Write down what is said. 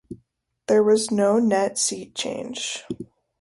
There was no net seat change.